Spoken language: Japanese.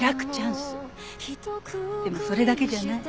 でもそれだけじゃない。